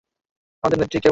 আমাদের নেত্রী কে বলো?